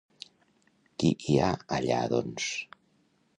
Qui hi ha allà, doncs?